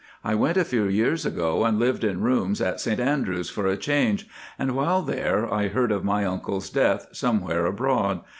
I went a few years ago and lived in rooms at St Andrews for a change, and while there I heard of my uncle's death somewhere abroad.